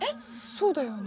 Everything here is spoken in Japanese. そうだよね。